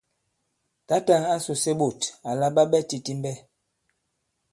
Tǎtà ǎ sùse ɓôt àla ɓa ɓɛ titimbɛ.